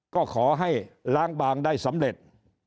ก็ขอให้ล้างบางได้สำเร็จ